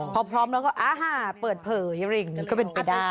พอพร้อมแล้วก็เปิดเผยอะไรอย่างนี้ก็เป็นไปได้